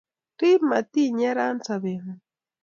riib matinyeren sobeng'ung